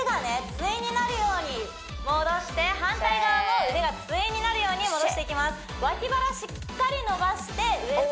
対になるように戻して反対側も腕が対になるように戻していきます